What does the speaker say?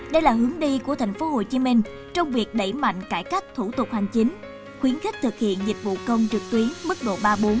đây là hướng đi của tp hcm trong việc đẩy mạnh cải cách thủ tục hành chính khuyến khích thực hiện dịch vụ công trực tuyến mức độ ba bốn